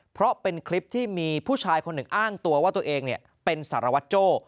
เพราะเป็นคลิปที่มีผู้ชายคนหนึ่งอ้างตัวว่าตัวเองเป็นสารวัตรโจ้